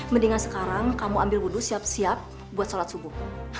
mendingan sekarang kamu ambil wudhu siap siap buat sholat subuh